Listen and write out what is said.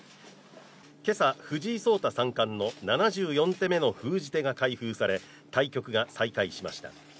今朝、藤井聡太三冠の７４手目の封じ手が開封され対局が再開されました。